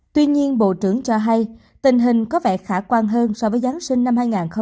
tuy nhiên bộ trưởng cho hay tình hình có vẻ khả quan hơn so với giáng sinh năm hai nghìn hai mươi ba